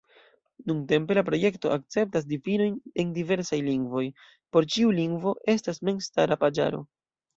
Nuntempe la projekto akceptas difinojn en diversaj lingvoj: por ĉiu lingvo estas memstara paĝaro.